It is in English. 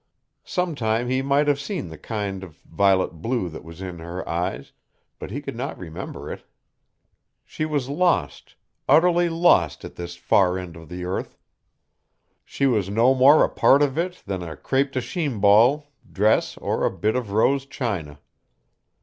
Some time he might have seen the kind of violet blue that was in her eyes, but he could not remember it. She was lost utterly lost at this far end of the earth. She was no more a part of it than a crepe de chine ball dress or a bit of rose china.